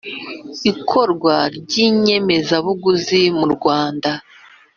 ikorwa ry inyemezabuguzi mu Rwanda